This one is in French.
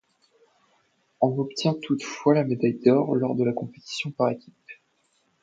En obtient toutefois la médaille d'or lors de la compétition par équipes.